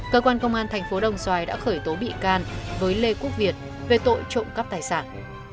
cơ quan công an thành phố đồng xoài đã khởi tố bị can với lê quốc việt về tội trộm cắp tài sản